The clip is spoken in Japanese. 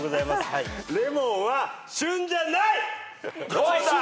どうだ！？